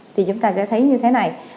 thì chúng ta sẽ thấy như thế này